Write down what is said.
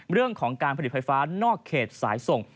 เรื่องของการผลิตไฟฟ้านอกเขตสายส่ง